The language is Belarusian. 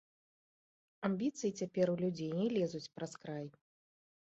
Амбіцыі цяпер у людзей не лезуць праз край.